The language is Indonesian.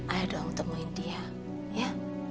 ayah doang temuin dia ya